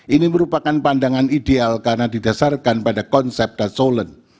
ini merupakan pandangan ideal karena didasarkan pada konsep dasar